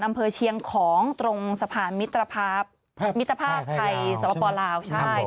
อำเภอเชียงของตรงสะพานมิตรภาพไทยสวพปลาว